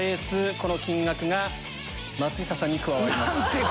この金額が松下さんに加わります。